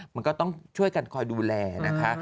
มันก็ต้องช่วยกันคอยดูแลนะคะ